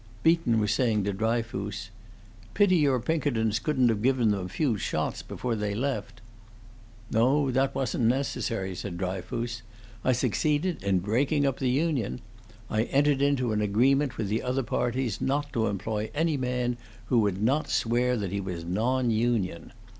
Beaton was saying to Dryfoos, "Pity your Pinkertons couldn't have given them a few shots before they left." "No, that wasn't necessary," said Dryfoos. "I succeeded in breaking up the union. I entered into an agreement with other parties not to employ any man who would not swear that he was non union.